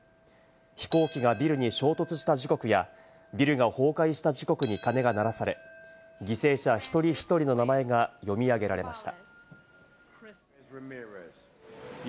飛行機がビルに衝突した時刻やビルが崩壊した時刻に鐘が鳴らされ、犠牲者、一人一人の名前が読み上げられました。